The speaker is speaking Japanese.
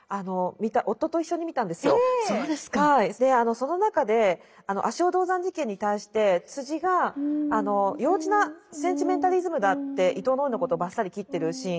その中で足尾銅山事件に対してが「幼稚なセンチメンタリズムだ」って伊藤野枝のことをばっさり切ってるシーン